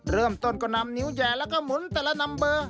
เริ่มต้นก็นำนิ้วแหย่แล้วก็หมุนแต่ละนัมเบอร์